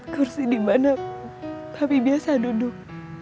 kursi dimana papi biasa duduk